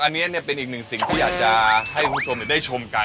อันนี้เป็นอีกหนึ่งสิ่งที่อยากจะให้คุณผู้ชมได้ชมกัน